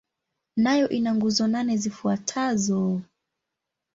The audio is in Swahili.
Nayo ina nguzo nane zifuatazo.